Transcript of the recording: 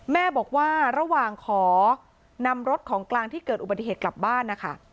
แม่บอกว่าระหว่างขอนำรถของกลางที่เกิดอุบัติเหตุกลับบ้านนะคะ